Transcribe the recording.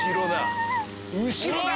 後ろだ！